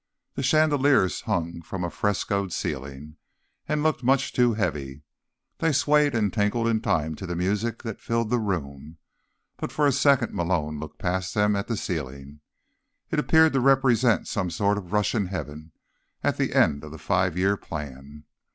The chandeliers hung from a frescoed ceiling, and looked much too heavy. They swayed and tinkled in time to the music that filled the room, but for a second Malone looked past them at the ceiling. It appeared to represent some sort of Russian heaven, at the end of the Five Year Plan.